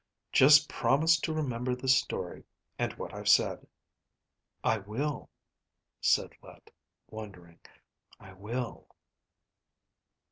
"Just promise to remember the story, and what I've said." "I will," said Let, wondering. "I will."